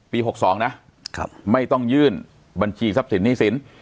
๖๒นะไม่ต้องยื่นบัญชีทรัพย์สินหนี้สิน